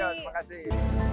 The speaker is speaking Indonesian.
oke terima kasih